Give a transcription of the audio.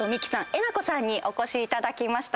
えなこさんにお越しいただきました。